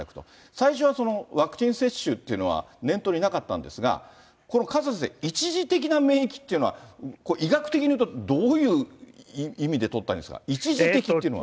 最初はワクチン接種というのは念頭になかったんですが、これ、勝田先生、１次的な免疫っていうのは、医学的に言うとどういう意味で取ったらいいんですか、１次的っていうのは。